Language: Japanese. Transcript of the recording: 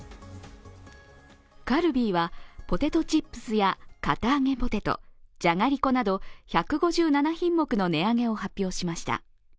カルビーはポテトチップスや堅あげポテトじゃがりこなど１５７品目の値上げを発表しました。